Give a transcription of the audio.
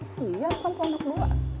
siap kan pendek lu